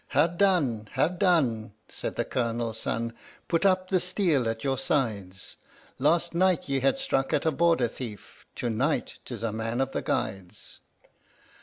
"Ha' done! ha' done!" said the Colonel's son. "Put up the steel at your sides! Last night ye had struck at a Border thief tonight 'tis a man of the Guides!"